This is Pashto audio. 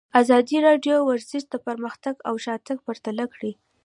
ازادي راډیو د ورزش پرمختګ او شاتګ پرتله کړی.